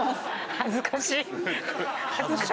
恥ずかしい。